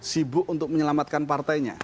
sibuk untuk menyelamatkan partainya